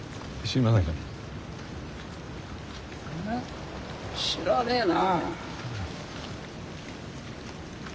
いや知らねえな。